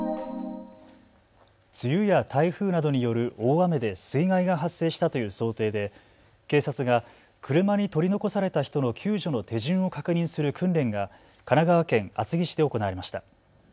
梅雨や台風などによる大雨で水害が発生したという想定で警察が車に取り残された人の救助の手順を確認する訓練が神奈川県厚木市で行われました。